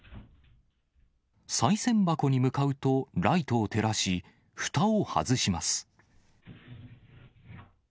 さい銭箱に向かうとライトを照らし、ふたを外します。